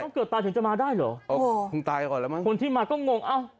ต้องเกือบตายถึงจะมาได้เหรอคนที่มาก็งงเอ้า